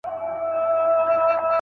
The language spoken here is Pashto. لور به خپله دنده هیڅکله نه پرېږدي.